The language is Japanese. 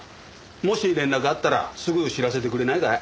もし連絡あったらすぐ知らせてくれないかい？